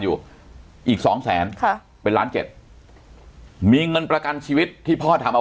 อยู่อีกสองแสนค่ะเป็นล้านเจ็ดมีเงินประกันชีวิตที่พ่อทำเอา